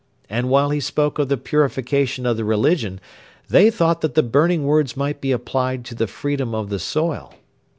And while he spoke of the purification of the religion, they thought that the burning words might be applied to the freedom of the soil.